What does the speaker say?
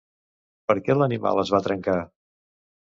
Per què l'animal es va trencar?